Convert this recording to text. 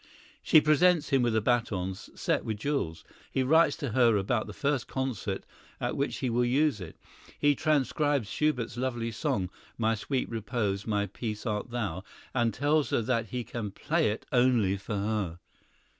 She presents him with a baton set with jewels; he writes to her about the first concert at which he will use it. He transcribes Schubert's lovely song, "My sweet Repose, My Peace art Thou," and tells her that he can play it only for her.